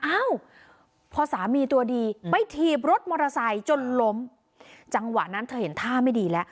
เอ้าพอสามีตัวดีไปถีบรถมอเตอร์ไซค์จนล้มจังหวะนั้นเธอเห็นท่าไม่ดีแล้ว